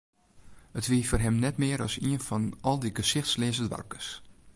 It wie foar him net mear as ien fan al dy gesichtleaze doarpkes.